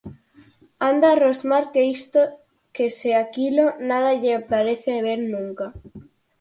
Anda a rosmar que isto que se aquilo, nada lle parece ben nunca.